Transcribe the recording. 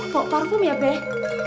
bawa parfum ya beh